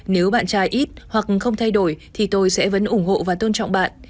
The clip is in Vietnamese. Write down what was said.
nếu bạn trai ít hoặc không thay đổi thì tôi sẽ vẫn ủng hộ và tôn trọng bạn